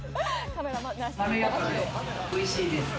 まろやかで美味しいです。